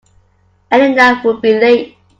Elena will be late.